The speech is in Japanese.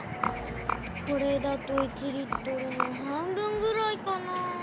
これだと１Ｌのはんぶんぐらいかな？